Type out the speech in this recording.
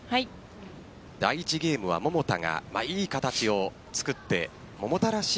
第１ゲームは桃田がいい形を作って桃田らしい